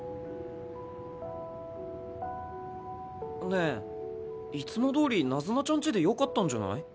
ねえいつもどおりナズナちゃんちでよかったんじゃない？